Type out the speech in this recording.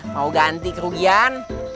mau ganti kerugian